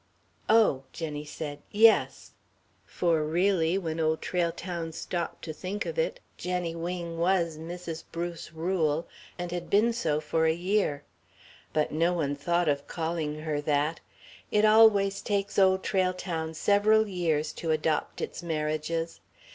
"Oh," Jenny said, "yes...." For really, when Old Trail Town stopped to think of it, Jenny Wing was Mrs. Bruce Rule, and had been so for a year. But no one thought of calling her that. It always takes Old Trail Town several years to adopt its marriages.